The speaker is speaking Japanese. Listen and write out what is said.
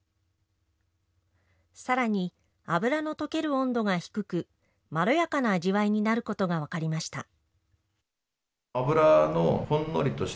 さらに脂の溶ける温度が低くまろやかな味わいになることが分かりました。